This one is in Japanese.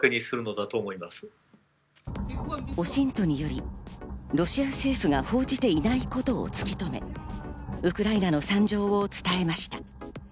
ＯＳＩＮＴによりロシア政府が報じていないことを突き止め、ウクライナの惨状を伝えました。